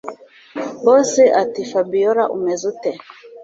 boss atiFabiora umeze ute